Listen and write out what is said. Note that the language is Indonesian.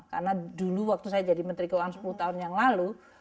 karena dulu waktu saya jadi menteri keuangan sepuluh tahun yang lalu